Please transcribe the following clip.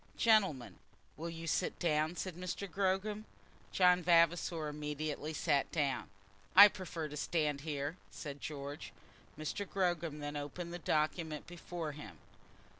"Gentlemen, will you sit down?" said Mr. Gogram. John Vavasor immediately sat down. "I prefer to stand here," said George. Mr. Gogram then opened the document before him.